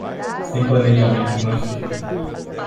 Sem planejamento financeiro